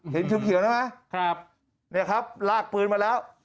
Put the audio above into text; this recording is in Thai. เห็นชิ้นเขียวนะฮะครับเนี่ยครับลากปืนมาแล้ว